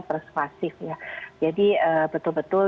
persuasif jadi betul betul